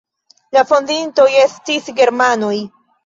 La fondintoj estis germanoj.